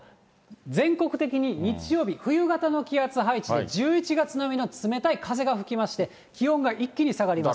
全国的に日曜日、冬型の気圧配置で１１月並みの冷たい風が吹きまして、気温が一気に下がります。